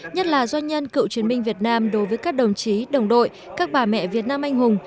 nhất là doanh nhân cựu chiến binh việt nam đối với các đồng chí đồng đội các bà mẹ việt nam anh hùng